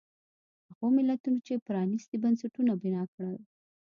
هغو ملتونو چې پرانیستي بنسټونه بنا کړل.